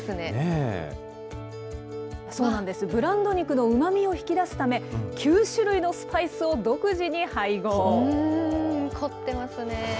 そうなんです、ブランド肉のうまみを引き出すため、９種類のスパイスを独自に配合。